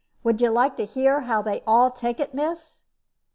Would you like to hear how they all take it, miss?"